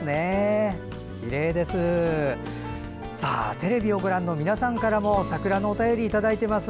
テレビをご覧の皆さんからも桜のお便り届いています。